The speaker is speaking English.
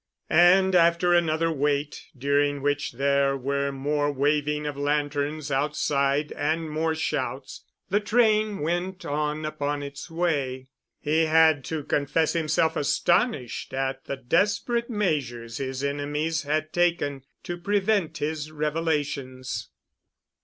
And after another wait, during which there were more waving of lanterns outside and more shouts, the train went on upon its way. He had to confess himself astonished at the desperate measures his enemies had taken to prevent his revelations.